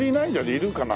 いるかな？